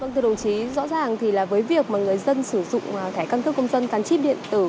thưa đồng chí rõ ràng thì là với việc mà người dân sử dụng thẻ căn cước công dân gắn chip điện tử